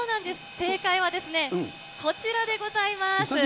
正解はですね、こちらでございます。